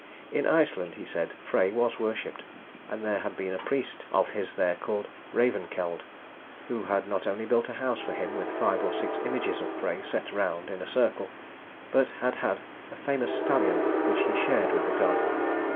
In Iceland he said Frey was worshipped, and there had been a priest of his there called Ravenkeld, who had not only built a house for him with five or six images of Frey set round in a circle, but had had a famous stallion which he shared with the god.